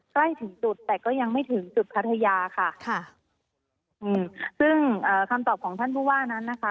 ใกล้ถึงจุดแต่ก็ยังไม่ถึงจุดพัทยาค่ะค่ะอืมซึ่งเอ่อคำตอบของท่านผู้ว่านั้นนะคะ